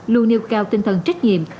luôn nêu cao tinh thần trách nhiệm